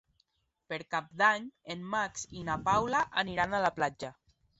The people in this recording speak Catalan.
Per Cap d'Any en Max i na Paula aniran a la platja.